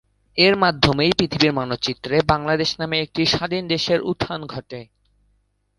এর মাধ্যমেই পৃথিবীর মানচিত্রে বাংলাদেশ নামে একটি স্বাধীন দেশের উত্থান ঘটে।